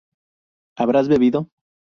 habrás bebido